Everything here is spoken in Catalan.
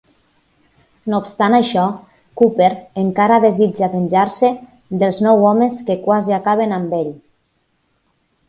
No obstant això, Cooper encara desitja venjar-se dels nou homes que quasi acaben amb ell.